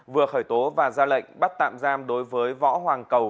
vừa khởi tố và ra lệnh bắt tạm giam đối với võ hoàng cầu